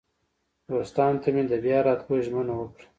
دوستانو ته مې د بیا راتلو ژمنه وکړه.